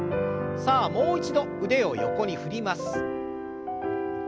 さあもう一度腕を横に振ります。